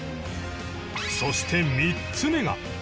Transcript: そして３つ目が